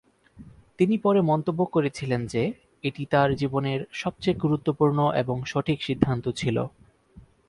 তিনি পরে মন্তব্য করেছিলেন যে, এটি তাঁর জীবনের সবচেয়ে গুরুত্বপূর্ণ এবং সঠিক সিদ্ধান্ত ছিল।